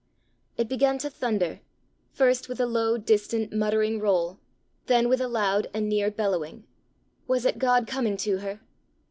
It began to thunder, first with a low distant muttering roll, then with a loud and near bellowing. Was it God coming to her?